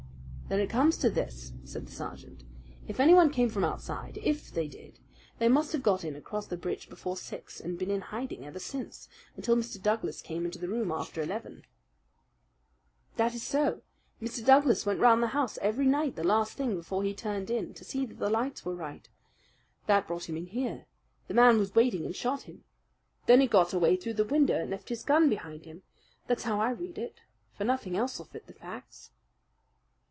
"Then it comes to this," said the sergeant: "If anyone came from outside IF they did they must have got in across the bridge before six and been in hiding ever since, until Mr. Douglas came into the room after eleven." "That is so! Mr. Douglas went round the house every night the last thing before he turned in to see that the lights were right. That brought him in here. The man was waiting and shot him. Then he got away through the window and left his gun behind him. That's how I read it; for nothing else will fit the facts."